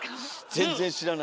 全然知らないけど。